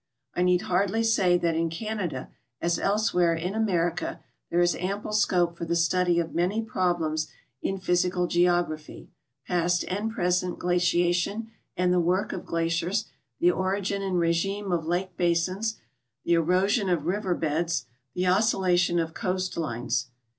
I need hardly say that in Canada, as elsewhere in America, there is ample scope for the study of many problems in physical geography — j^ast and present glaciation and the work of glaciers, the origin and regime of lake basins, the erosion of river beds, the oscillation of coast lines.